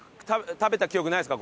食べた記憶ないですか？